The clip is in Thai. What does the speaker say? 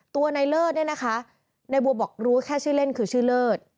ตัวในเลิศเนี่ยนะคะในบัวบอกรู้แค่ชื่อเล่นคือชื่อเลิศ